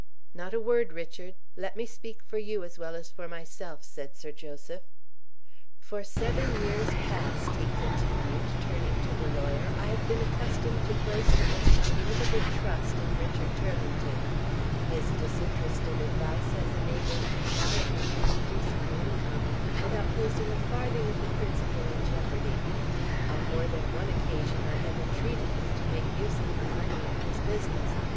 "Not a word, Richard! Let me speak for you as well as for myself," said Sir Joseph. "For seven years past," he continued, turning to the lawyer, "I have been accustomed to place the most unlimited trust in Richard Turlington. His disinterested advice has enabled me largely to increase my income, without placing a farthing of the principal in jeopardy. On more than one occasion, I have entreated him to make use of my money in his business.